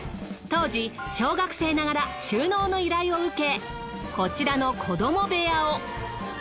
当時小学生ながら収納の依頼を受けこちらの子ども部屋を。